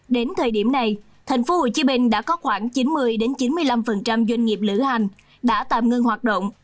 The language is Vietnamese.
đến thời điểm này tp hcm đã có khoảng chín mươi chín mươi năm doanh nghiệp lữ hành đã tạm ngưng hoạt động